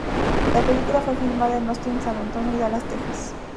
La película fue filmada en Austin, San Antonio y Dallas, Texas.